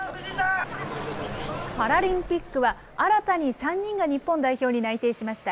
パラリンピックは、新たに３人が日本代表に内定しました。